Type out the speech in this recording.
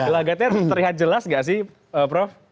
lagatnya terlihat jelas enggak sih prof